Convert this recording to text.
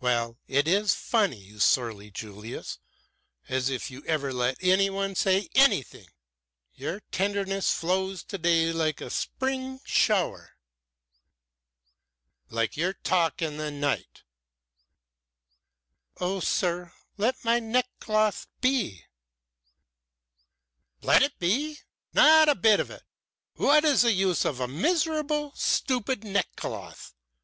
"Well, that is funny, you surly Julius. As if you ever let any one say anything! Your tenderness flows today like a spring shower." "Like your talk in the night." "Oh sir, let my neckcloth be." "Let it be? Not a bit of it! What is the use of a miserable, stupid neckcloth?